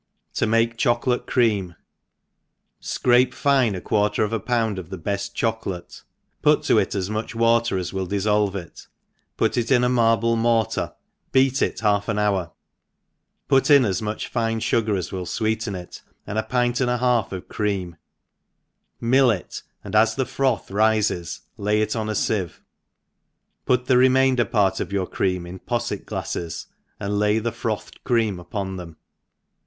* To make Chocolate Cream, SCRAPE fine a quarter of a pound of the bcft (hopQlate^ put to it as muc]^ water as will dif fplye ENGLISH HOUSE KEEPER. ^49 folvc it, put it in a. marble mortar, beat it half an hour, put in as much fine fugaras will fweeten It and a pint and a half of cream^ mill it, and jis the froth riies lay it on a fieve, put the rc mtaiader part of your cream in poflct glafles, and lay the frothed cream upon them.